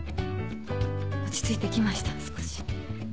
落ち着いてきました少し。